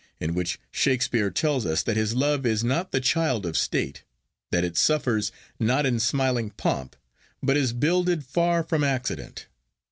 in which Shakespeare tells us that his love is not "the child of state," that it "suffers not in smiling pomp," but is "builded far from accident."